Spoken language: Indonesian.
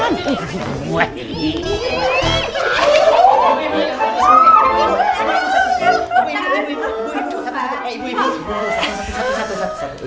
jangan rebut ibu ibu